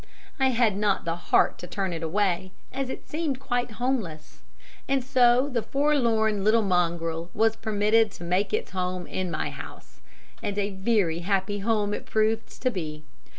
I had not the heart to turn it away, as it seemed quite homeless, and so the forlorn little mongrel was permitted to make its home in my house and a very happy home it proved to be.